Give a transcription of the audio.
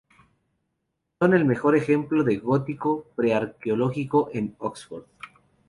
Son el mejor ejemplo de gótico pre-arqueológico en Oxford.